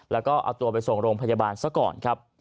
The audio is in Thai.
แล้วก็เอาตัวไปส่งโรงพยาบาลซะก่อนครับ